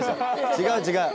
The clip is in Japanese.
違う違う。